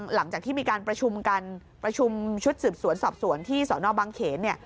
หลังจากที่มีการประชุมกันประชุมชุดสืบสวนสอบสวนที่สนบางเขนเนี่ย